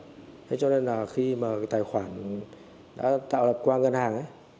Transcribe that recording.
thế cho nên là khi mà tài khoản đã tạo lập qua ngân hàng